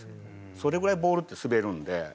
それぐらいボールって滑るんで。